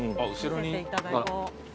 見せていただこう。